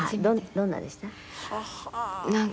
どんなでした？